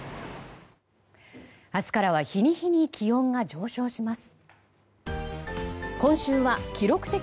明日からは日に日に気温が上昇します。